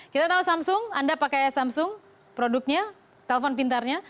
kita tahu samsung anda pakai samsung produknya telpon pintarnya